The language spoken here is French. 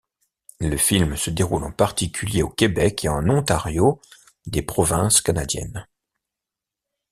Le film se déroule en particulier au Québec et en Ontario, des provinces canadiennes.